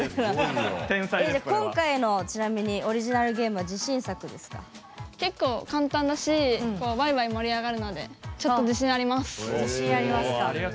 今回のオリジナルゲームは結構、簡単だしわいわい盛り上がるのでちょっと自信あります。